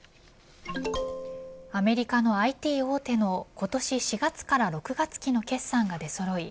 アメリカのＩＴ大手の今年４月から６月期の決算が出そろい